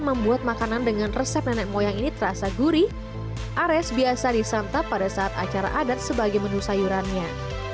membuat makanan dengan resep nenek moyang ini terasa gurih ares biasa disantap pada saat acara adat sebagai menu sayurannya